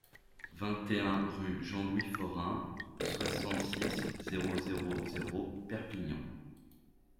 vingt et un rue Jean-Louis Forain, soixante-six, zéro zéro zéro, Perpignan